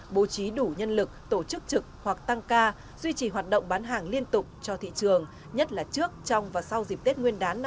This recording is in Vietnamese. bố trí đủ nhân lực tổ chức trực hoặc tăng ca duy trì hoạt động bán hàng liên tục cho thị trường nhất là trước trong và sau dịp tết nguyên đán năm hai nghìn bốn mươi